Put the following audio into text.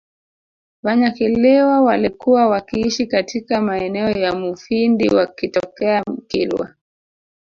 Vanyakilwa walikuwa wakiishi katika maeneo ya Mufindi wakitokea Kilwa